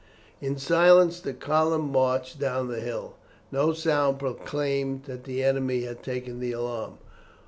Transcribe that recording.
In silence the column marched down the hill. No sound proclaimed that the enemy had taken the alarm.